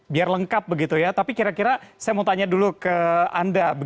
biar lengkap begitu ya tapi kira kira saya mau tanya dulu ke anda